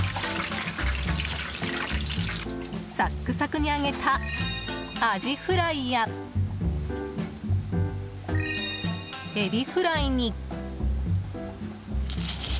サックサクに揚げたアジフライやエビフライに。